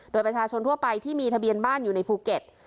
โดยประชาชนทั่วไปที่มีทะเบียนบ้านอยู่ในภูเก็ต